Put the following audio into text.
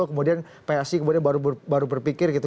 kemudian psi kemudian baru berpikir gitu